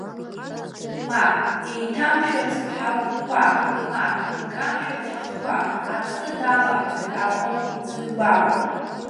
Мап, еиҭамшәац ҳагәқәа, мап икамшәац ҳахқәа, Аԥсны далаҳцоит, Аҟәа, узыргәаҟуа.